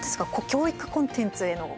教育コンテンツへの。